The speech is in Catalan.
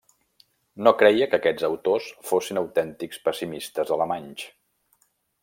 No creia que aquests autors fossin autèntics pessimistes alemanys.